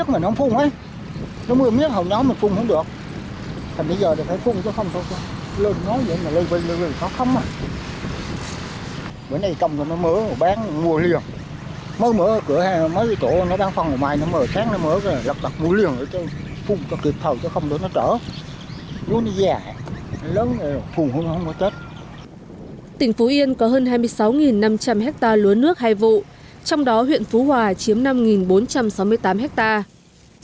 tỉnh phú yên có hơn hai mươi sáu năm trăm linh hectare lúa nước hay vụ trong đó huyện phú hòa chiếm năm bốn trăm sáu mươi tám hectare